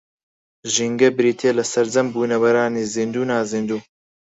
ژینگە بریتییە لە سەرجەم بوونەوەرانی زیندوو و نازیندوو